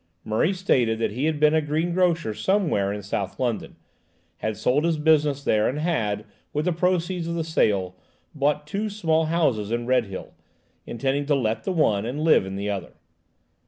Murray stated that he had been a greengrocer somewhere in South London, had sold his business there, and had, with the proceeds of the sale, bought two small houses in Redhill, intending to let the one and live in the other.